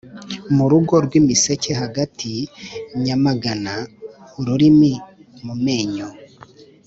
Mu rugo rw'imiseke hagati nyamagana-Ururimi mu menyo.